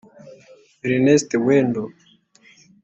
Ernest Wendo